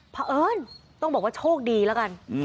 เพราะเอิญต้องบอกว่าโชคดีแล้วกัน